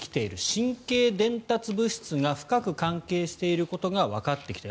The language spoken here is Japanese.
神経伝達物質が深く関係していることがわかってきた。